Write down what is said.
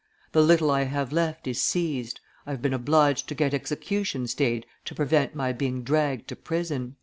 The little I have left is seized, I have been obliged to get execution stayed to prevent my being dragged to prison!"